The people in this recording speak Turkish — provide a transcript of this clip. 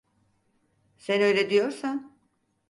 Sen öyle diyorsan…